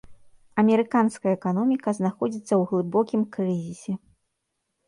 Амерыканская эканоміка знаходзіцца ў глыбокім крызісе.